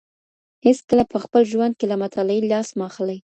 هېڅکله په خپل ژوند کې له مطالعې لاس مه اخلئ.